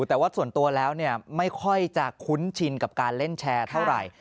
แต่ว่าส่วนตัวแล้วไม่ค่อยจะคุ้นชินกับการเล่นแชร์เท่าไหร่